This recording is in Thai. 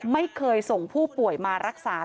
ไม่เคยส่งผู้ป่วยมารักษา